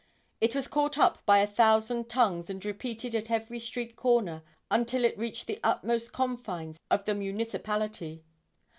It was caught up by a thousand tongues and repeated at every street corner until it reached the utmost confines of the municipality.